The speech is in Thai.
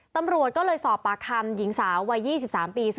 ตำรวจก็เลยสอบปราคมหญิงสาววัยยี่สิบสามปี